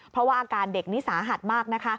เพราะว่าอาการเด็กนี้สาหัสมากนะคะ